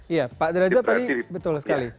iya pak derajat tadi betul sekali